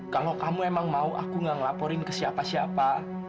kalau kamu emang mau aku gak ngelaporin ke siapa siapa